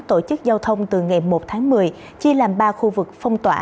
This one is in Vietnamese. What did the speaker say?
tổ chức giao thông từ ngày một tháng một mươi chia làm ba khu vực phong tỏa